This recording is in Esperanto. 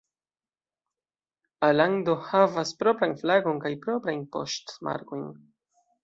Alando havas propran flagon kaj proprajn poŝtmarkojn.